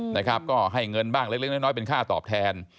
นะครับก็ให้เงินบ้างเล็กน้อยเป็นค่าตอบแทน